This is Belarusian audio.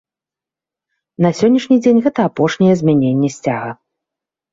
На сённяшні дзень гэта апошняе змяненне сцяга.